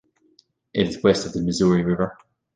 It is west of the Missouri River.